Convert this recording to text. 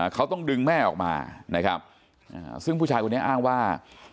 เขาต้องดึงแม่ออกมาซึ่งผู้ชายนี้อ้างว่า